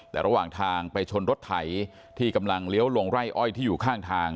แต่ระหว่างทางไปชนรถไถที่กำลังเลี้ยวลงไร่อ้อยที่อยู่ข้างทาง